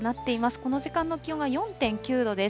この時間の気温は４．９度です。